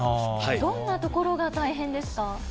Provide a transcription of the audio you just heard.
どんなところが大変ですか？